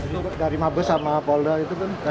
jadi mabes sama polda itu kan